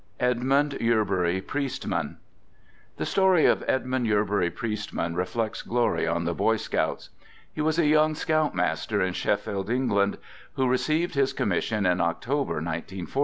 Communicated. Digitized by EDMUND YERBURY PRIESTMAN The story of Edmund Yerbury Priestman reflects glory on the Boy Scouts. He was a young Scout master in Sheffield, England, who received his com mission in October, 19 14.